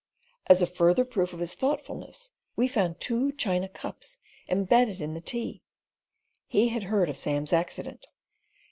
As a further proof of his thoughtfulness we found two china cups imbedded in the tea. He had heard of Sam's accident.